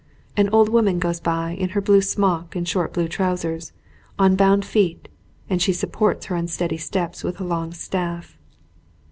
An old woman goes by in her blue smock and short blue trousers, on bound feet, and she supports her unsteady steps with a long staff.